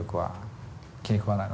はい。